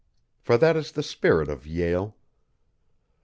For that is the spirit of Yale.